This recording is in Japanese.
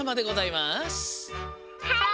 はい！